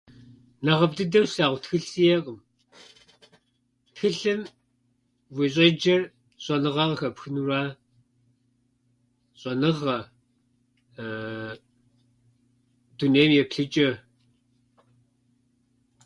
Нэхъыфӏ дыдэу слъагъу тхылъ сиӏэкъым. Тхылъым ущӏеджэр щӏэныгъэ къыхэпхынура, щӏэныгъэ, дунейм еплъычӏэ.